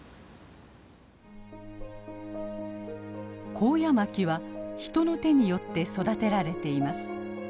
コウヤマキは人の手によって育てられています。